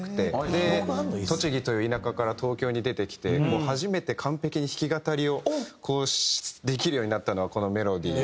で栃木という田舎から東京に出てきて初めて完璧に弾き語りをできるようになったのがこの『メロディー』。